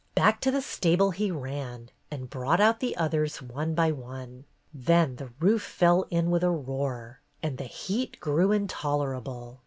Back to the stable he ran and brought out the others, one by one. Then the roof fell in with a roar, and the heat grew intolerable.